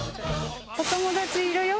お友達いるよ